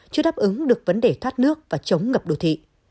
chưa đáp ứng được vấn đề thoát nước và chống ngập đô thị